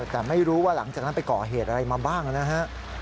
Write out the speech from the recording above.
แต่ไม่รู้ว่าหลังจากนั้นไปก่อเหตุอะไรมาบ้างนะฮะ